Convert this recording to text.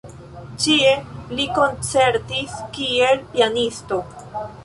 Ĉie li koncertis kiel pianisto.